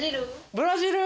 ブラジル？